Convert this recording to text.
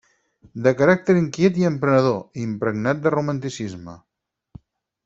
De caràcter inquiet i emprenedor, impregnat de romanticisme.